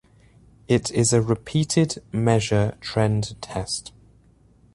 It is a repeated measure trend test.